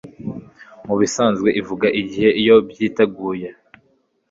mubisanzwe ivuga igihe Iyo byiteguye